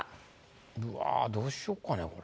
うわどうしよっかなこれ。